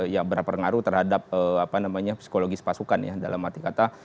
yang berapa pengaruh terhadap psikologis pasukan ya dalam arti kata